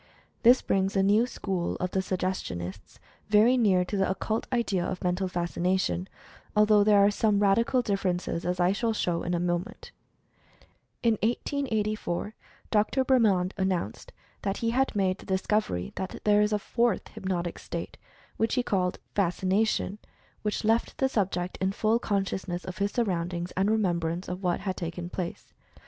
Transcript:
This brings the new school of the Sug gestionists very near to the occult idea of "Mental Fascination," although there are some radical differ ences, as I shall show in a moment. In 1884 Dr. Bremand announced that had made the discovery that there is a "fourth hypnotic (?) state," which he called "Fascination," which left the subject in full conscious ness of his surroundings, and remembrance of what had taken place.